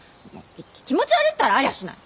き気持ち悪いったらありゃしない。